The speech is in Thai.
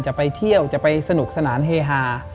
จะไปเที่ยวจะไปสนุกสนานเฮฮา